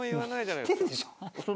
知ってるでしょ。